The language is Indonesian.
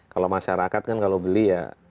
kalau masyarakat kan kalau beli ya